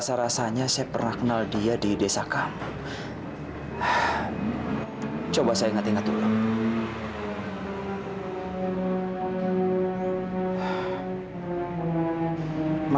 kita sampai ke kamar agar ia tidak sampai tenggelam